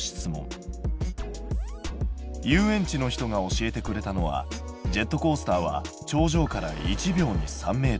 遊園地の人が教えてくれたのはジェットコースターは頂上から１秒に３ｍ。